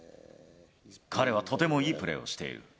彼はとてもいいプレーをしている。